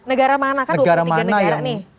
negara mana kan dua puluh tiga negara nih